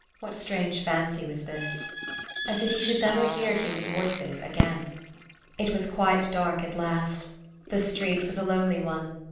what strange fancy was this?) as if he never should hear human voices again. It was quite dark at last. The street was a lonely one.